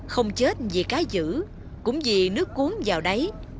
không chết vì cá giữ cũng vì nước cuốn vào đáy